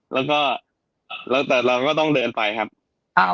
แล้วก็เราก็ต้องเดินไปครับ